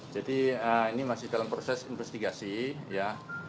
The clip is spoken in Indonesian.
jadi ini masih dalam proses investigasi ya